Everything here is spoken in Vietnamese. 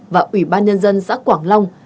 và ủy ban nhân dân xã quảng long